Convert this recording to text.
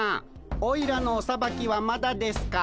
おいらのおさばきはまだですか。